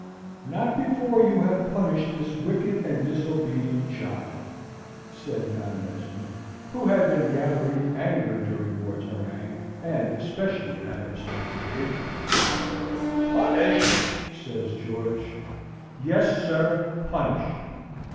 "Not before you have punished this wicked and disobedient child," said Madam Esmond, who had been gathering anger during Ward's harangue, and especially at her son's behaviour. "Punish!" says George. "Yes, sir, punish!